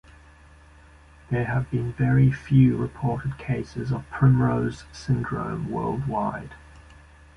There have been very few reported cases of Primrose syndrome worldwide.